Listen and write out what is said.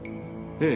ええ。